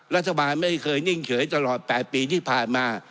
รัฐบาลไม่เคยนิ่งเฉยตลอด๘ปีที่ผ่านมา